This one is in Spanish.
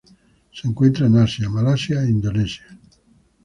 Se encuentran en Asia: Malasia e Indonesia.